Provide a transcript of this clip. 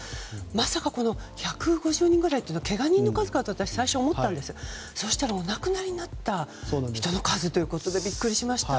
まさか、１５０人くらいはけが人の数かと私、最初思ったんですがお亡くなりになった人の数ということでビックリしました。